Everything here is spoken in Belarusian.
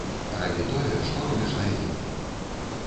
Рабі тое, што робіш найлепей.